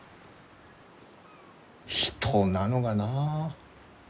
人なのがなあ。